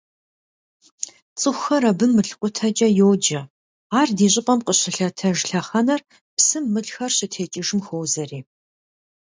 ЦӀыхухэр абы «мылкъутэкӀэ» йоджэ, ар ди щӀыпӀэм къыщылъэтэж лъэхъэнэр псым мылхэр щытекӀыжым хуозэри.